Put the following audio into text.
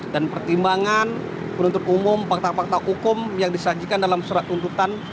dan pertimbangan penuntut umum fakta fakta hukum yang disajikan dalam surat tuntutan